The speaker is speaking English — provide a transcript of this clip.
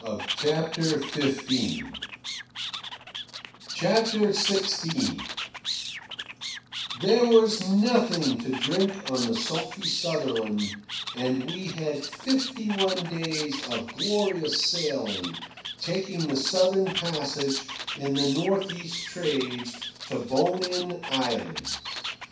CHAPTER XVI There was nothing to drink on the Sophie Sutherland, and we had fifty one days of glorious sailing, taking the southern passage in the north east trades to Bonin Islands.